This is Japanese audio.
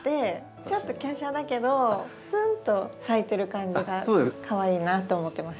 ちょっときゃしゃだけどすんと咲いてる感じがかわいいなと思ってました。